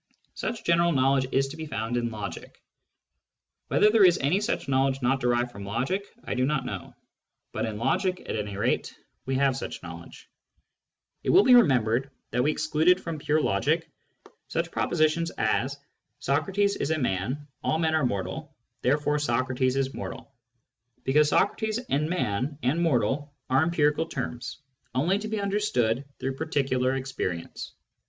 ♦ Such general knowledge is to be found in logic. Whether there is any such knowledge not derived from logic, I do not know ; but in logic, at any rate, we have such knowledge. It will be remembered that we excluded from pure logic such propositions as, " Socrates is a man, all men are mortal, therefore Socrates is mortal," because Digitized by Google LOGIC AS THE ESSENCE OF PHILOSOPHY 57 Socrates and man and mortal are empirical terms, only to be understood through particular experience.